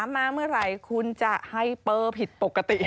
๓๓๓มาเมื่อไหร่คุณจะให้เปิ้ลผิดปกติ